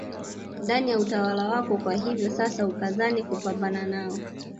Ndani ya utawala wako kwa hiyo sasa ukazane kupambana nao